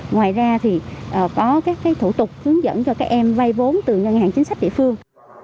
ngoài ra thì có các thủ tục hướng dẫn cho các em vay vốn từ ngân hàng chính sách địa phương